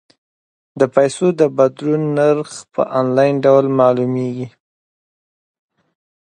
د پيسو د بدلولو نرخ په انلاین ډول معلومیږي.